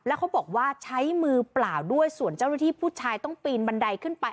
แล้วเขาบอกว่าใช้มือเปล่าด้วยส่วนเจ้าหน้าที่ผู้ชายต้องปีนบันไดขึ้นไป